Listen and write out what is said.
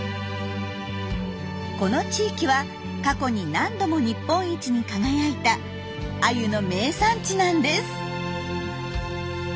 この地域は過去に何度も日本一に輝いたアユの名産地なんです。